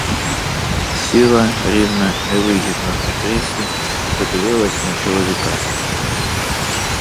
Сіла, рівна, невигідно на кріслі і подивилась на чоловіка.